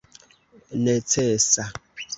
necesa